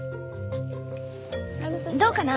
どうかな？